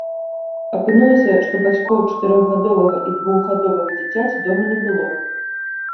Апынулася, што бацькоў чатырохгадовага і двухгадовага дзіцяці дома не было.